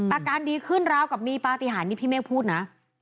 อาการดีขึ้นแล้วกับมีปลาติหารที่พี่เม่กพูดนะ